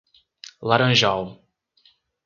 Laranjal